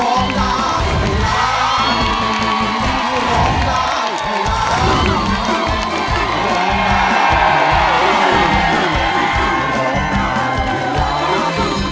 ร้องได้ร้องได้